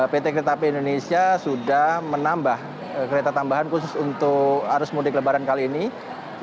pt kereta api indonesia sudah menambah kereta tambahan khusus untuk arus mudik lebaran kali ini